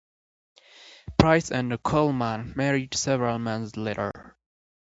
Price and Coleman married several months later.